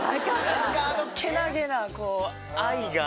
あのけなげな愛が。